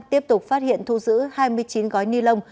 tiếp tục phát hiện thu giữ hai mươi chín gói ni lông